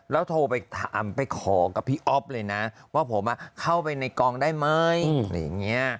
แล้วโทรไปถามไปขอกับพี่อ๊อฟเลยนะว่าผมเข้าไปในกองได้ไหมอะไรอย่างนี้